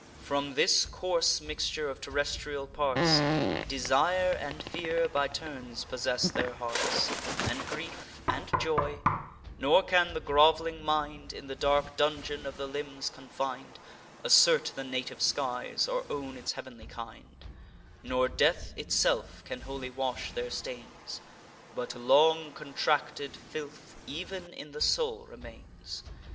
From this coarse mixture of terrestrial parts, Desire and fear by turns possess their hearts, And grief, and joy; nor can the groveling mind, In the dark dungeon of the limbs confin'd, Assert the native skies, or own its heav'nly kind: Nor death itself can wholly wash their stains; But long contracted filth ev'n in the soul remains.